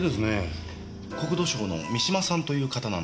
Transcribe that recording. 国土省の三島さんという方なんですが。